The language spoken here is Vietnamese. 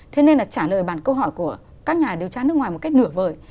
thế nên là trả lời bản câu hỏi của các nhà điều tra nước ngoài một cách nửa vời